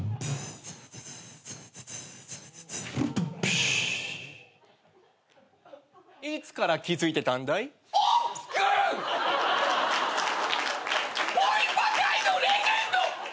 ・いつから気付いてたんだい？おっくん！